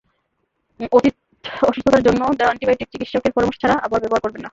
অতীতে অসুস্থতার জন্য দেওয়া অ্যান্টিবায়োটিক চিকিৎসকের পরামর্শ ছাড়া আবার ব্যবহার করবেন না।